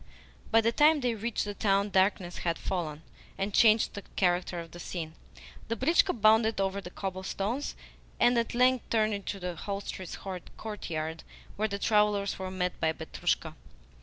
By the time they reached the town darkness had fallen, and changed the character of the scene. The britchka bounded over the cobblestones, and at length turned into the hostelry's courtyard, where the travellers were met by Petrushka.